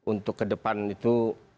untuk ke depan itu